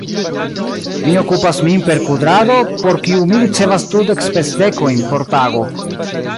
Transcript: Mi okupas min per kudrado, por kiu mi ricevas dudek spesdekojn por tago.